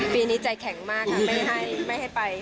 ปีนี้ใจแข็งมากค่ะไม่ให้ไป